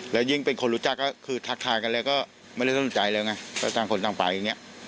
แล้วยิ่งเป็นคนรู้จักก็คือทักทายกันแล้วก็ไม่ได้สนใจแล้วไงก็ต่างคนต่างไปอย่างนี้